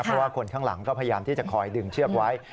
เพราะว่าคนข้างหลังก็พยายามที่จะคอยดึงเชือกไว้